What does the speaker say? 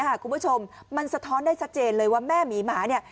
คุณผู้ชมมันสะท้อนได้ชัดเจนเลยว่าแม่หมีหมาเนี่ย